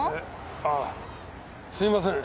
ああすいません。